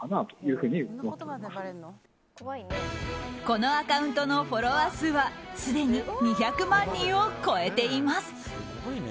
このアカウントのフォロワー数はすでに２００万人を超えています。